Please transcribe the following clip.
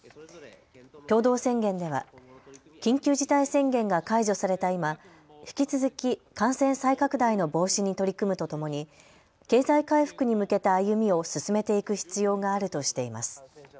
共同宣言では緊急事態宣言が解除された今、引き続き感染再拡大の防止に取り組むとともに経済回復に向けた歩みを進めていく必要があるとしています。